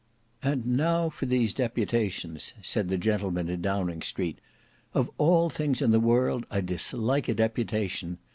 "And now for these deputations," said the gentleman in Downing Street, "of all things in the world I dislike a deputation.